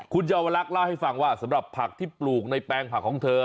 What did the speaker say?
คุณเยาวลักษณ์เล่าให้ฟังว่าสำหรับผักที่ปลูกในแปลงผักของเธอ